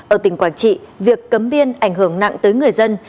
ở tỉnh quảng trị việc cấm biên ảnh hưởng nặng tới người dân